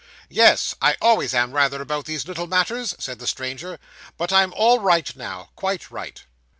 'Yes; I always am rather about these little matters,' said the stranger, 'but I am all right now quite right.